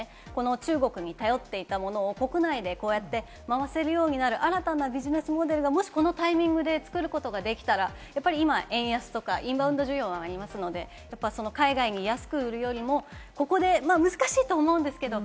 中国に頼っていたもの、国内でこうやって回せるようになる新たなビジネスモデルがもしこのタイミングで作ることができたら、今、円安とかインバウンド需要などありますので、海外に安く売るよりもここで難しいと思うんですけれども。